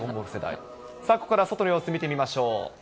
さあ、ここから外の様子を見てみましょう。